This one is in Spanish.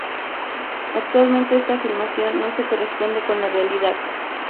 Actualmente, esta afirmación no se corresponde con la realidad.